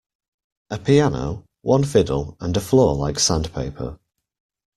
A piano, one fiddle, and a floor like sandpaper.